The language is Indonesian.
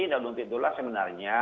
dan untuk itulah sebenarnya